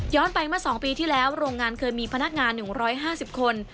ไปเมื่อ๒ปีที่แล้วโรงงานเคยมีพนักงาน๑๕๐คน